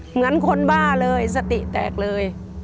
เหมือนคนบ้าเลยสติแตกเลย